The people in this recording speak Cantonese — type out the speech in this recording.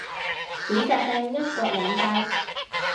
選擇性一國兩制